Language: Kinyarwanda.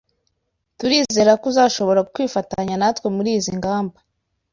Turizera ko uzashobora kwifatanya natwe muri izi ngamba.